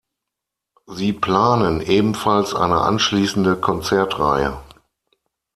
Sie planen ebenfalls eine anschließende Konzertreihe.